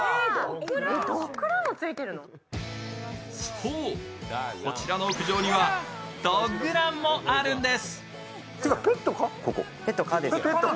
そう、こちらの屋上にはドッグランもあるんです。